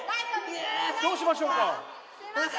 どうしましょうか。